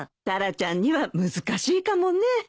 タラちゃんには難しいかもね。